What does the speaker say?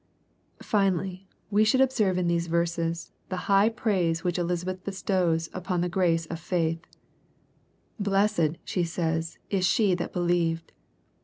Finally, we should observe in these verses, the high praise which Elisabeth bestows upon the grace of faitK " Blessed," she says, " is she that believed."